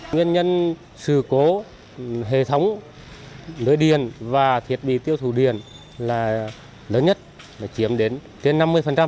nguyên nhân sự cố hệ thống lưới điện và thiết bị tiêu thủ điện là lớn nhất chiếm đến trên năm mươi